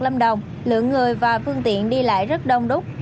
lâm đồng lượng người và phương tiện đi lại rất đông đúc